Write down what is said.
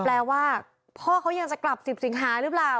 แปลว่าพ่อเขายังจะกลับ๑๐สิงหาหรือเปล่า